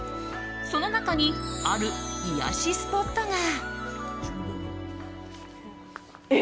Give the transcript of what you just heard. その中に、ある癒やしスポットが。